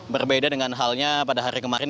berbeda dengan halnya pada hari kemarin